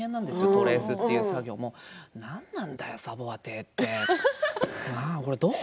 トレースという作業も、なんなんだよサヴォア邸、これどこ？